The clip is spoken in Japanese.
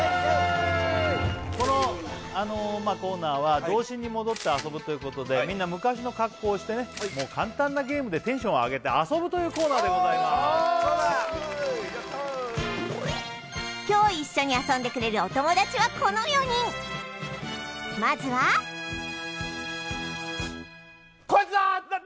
このコーナーは童心に戻って遊ぶということでみんな昔の格好をしてね簡単なゲームでテンションを上げて遊ぶというコーナーでございますそうだ今日一緒に遊んでくれるお友達はこの４人まずはこいつだ！